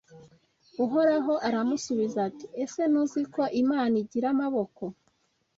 Uhoraho aramusubiza ati “Ese ntuzi ko Imana igira amaboko?